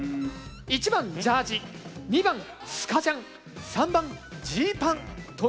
１番「ジャージ」２番「スカジャン」３番「ジーパン」ということです。